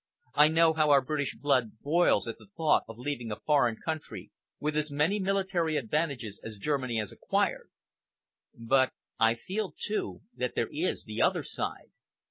I know how our British blood boils at the thought of leaving a foreign country with as many military advantages as Germany has acquired. But I feel, too, that there is the other side.